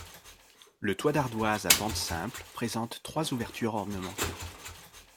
Le toit d'ardoise à pente simple présente trois ouvertures ornementées.